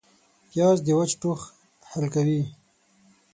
پیاز د وچ ټوخ حل کوي